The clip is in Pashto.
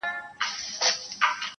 سرومال به مو تر مېني قرباني کړه-